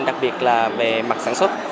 đặc biệt là về mặt sản xuất